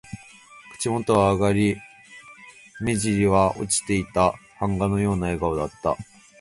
口元は上がり、目じりは落ちていた。版画のような笑顔だった。